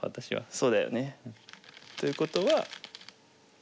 そうだよね。ということは。